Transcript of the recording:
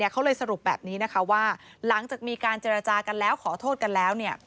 เขาเลยสรุปแบบนี้นะคะว่าหลังจากมีการเจรจากันแล้วขอโทษกันแล้ว